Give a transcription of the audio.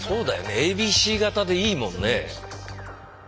ＡＢＣ型でいいもんね。